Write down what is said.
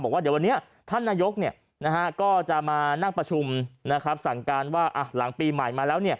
บอกว่าเดี๋ยววันนี้ท่านนายกก็จะมานั่งประชุมสั่งการว่าหลังปีใหม่มาแล้ว